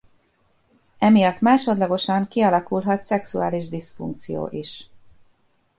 Emiatt másodlagosan kialakulhat szexuális diszfunkció is.